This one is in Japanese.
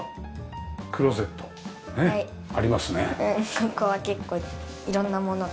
ここは結構いろんな物が。